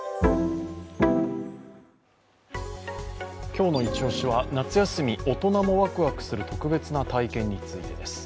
今日のイチオシは夏休み、大人もワクワクする特別な体験についてです。